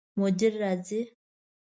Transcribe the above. مدیر راځي؟